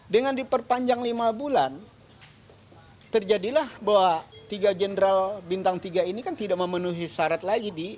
dengan diperpanjang lima bulan terjadilah bahwa tiga jenderal bintang tiga ini kan tidak memenuhi syarat lagi di